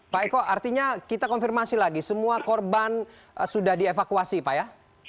pak eko artinya kita konfirmasi lagi semua korban sudah dievakuasi pak ya